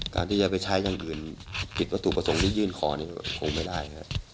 การที่จะไปใช้อย่างอื่นผิดวัตถุประสงค์ที่ยื่นขอคงไม่ได้นะครับ